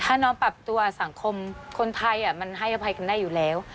ถ้าน้องปรับตัวสังคมคนไทยมันให้อภัยคุณได้อยู่แล้ว